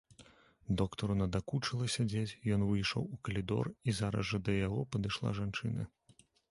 Доктару надакучыла сядзець, ён выйшаў у калідор, і зараз жа да яго падышла жанчына.